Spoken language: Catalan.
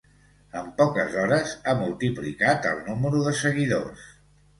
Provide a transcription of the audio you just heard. En poques hores ha multiplicat el número de seguidors.